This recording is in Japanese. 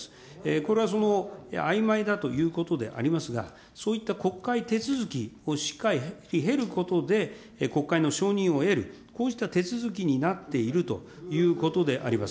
これはそのあいまいだということでありますが、そういった国会手続きをしっかり経ることで、国会の承認を得る、こういった手続きになっているということであります。